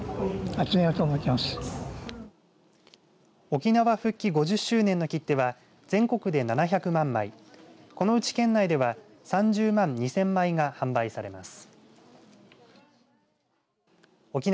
沖縄復帰５０周年の切手は全国で７００万枚このうち県内では３０万２０００枚が販売されます。